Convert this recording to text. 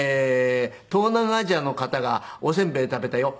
「東南アジアの方がおせんべい食べたよ」